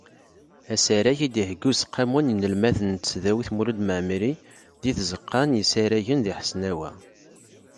Asarag i d-ihegga Useqqamu n yinelmaden n tesdawit Mulud Mɛemmri deg tzeqqa n yisaragen di Hesnawa.